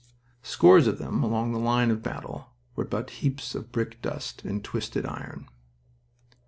Scores of them along the line of battle were but heaps of brick dust and twisted iron.